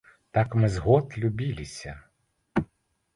Так мы з год любіліся.